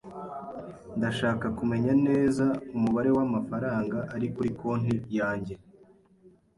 Ndashaka kumenya neza umubare w'amafaranga ari kuri konti yanjye.